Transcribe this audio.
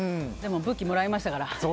でも、武器をもらいましたから。